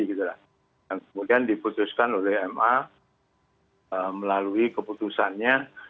kemudian diputuskan oleh ma melalui keputusannya